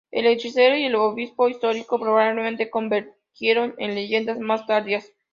El hechicero y el obispo histórico probablemente convergieron en leyendas más tardías.